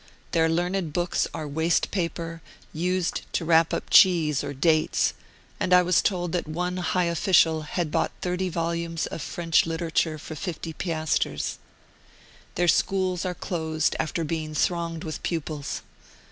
Their learned books are waste paper, used to wrap up cheese or dates, and I was told that one high official had bought thirty volumes of French literature for 50 piastres. Their schools are closed, after being thronged with pupils.